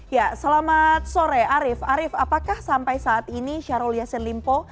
ya selamat sore arief arief apakah sampai saat ini syahrul yassin limpo